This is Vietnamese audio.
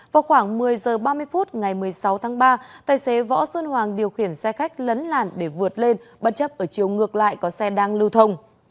vào khoảng một mươi h ba mươi phút ngày một mươi sáu tháng ba tài xế võ xuân hoàng điều khiển xe khách lấn làn để vượt lên bất chấp ở chiều ngược lại có xe đang lưu thông